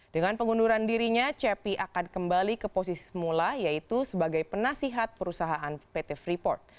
dengan pengunduran dirinya cepi akan kembali ke posisi semula yaitu sebagai penasihat perusahaan pt freeport